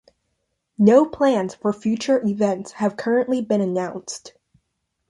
No plans for future events have currently been announced.